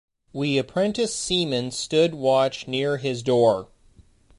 We apprentice seamen stood watch near his door.